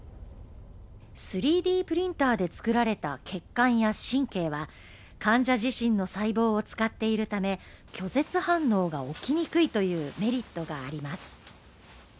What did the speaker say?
３Ｄプリンターで作られた血管や神経は、患者自身の細胞を使っているため拒絶反応が起きにくいというメリットがあります。